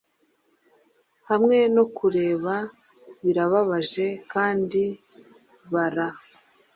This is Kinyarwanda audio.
Hamwe no kureba birababaje kandi baraa